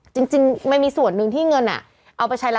จริงมันมีส่วนหนึ่งที่เงินเอาไปใช้แล้ว